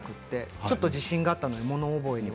ちょっと自信があったのでもの覚えには。